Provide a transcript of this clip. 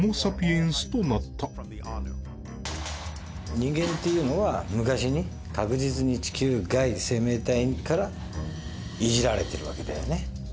人間っていうのは昔に確実に地球外生命体からいじられてるわけだよね。